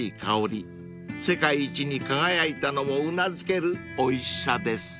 ［世界一に輝いたのもうなずけるおいしさです］